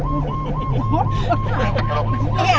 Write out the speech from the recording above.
ผู้ชีพเราบอกให้สุจรรย์ว่า๒